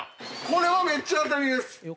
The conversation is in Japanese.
これはめっちゃ当たりです！